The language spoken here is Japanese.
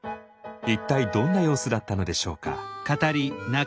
一体どんな様子だったのでしょうか。